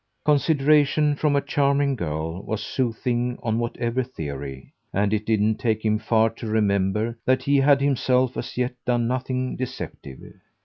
Consideration from a charming girl was soothing on whatever theory; and it didn't take him far to remember that he had himself as yet done nothing deceptive.